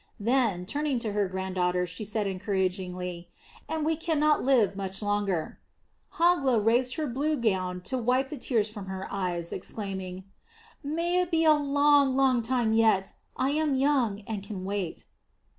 Then, turning to her granddaughter, she said encouragingly: "And we cannot live much longer now." Hogla raised her blue gown to wipe the tears from her eyes, exclaiming "May it be a long, long time yet. I am young and can wait."